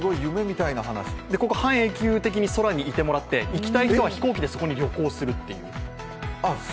半永久的に空にいてもらって行きたい人は飛行機でそこに旅行するという。